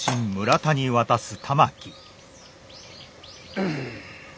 うん。